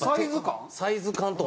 サイズ感？